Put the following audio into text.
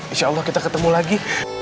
insyaahlah kita ketemu lagi